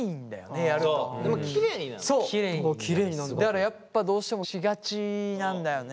だからやっぱどうしてもしがちなんだよね。